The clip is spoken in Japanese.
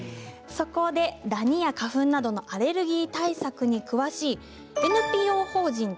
そこでダニや花粉などのアレルギー対策に詳しいＮＰＯ法人